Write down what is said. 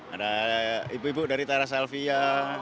ada ibu ibu dari tara salvia